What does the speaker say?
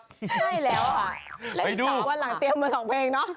ใช่แล้วค่ะวันหลังเตรียมมาสองเพลงเนาะ